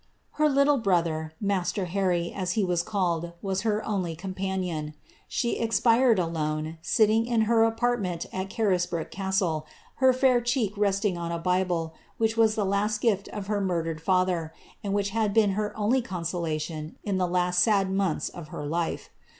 ' Her little brother, J Harry,'' as he waa called, was her only companion. She expired sitting in her apartment at Carisbrooke castle, her fair cheek reatii a Bible, which was the last gift of her murdered father, and whic been her only conaolation in the last sad months of her life.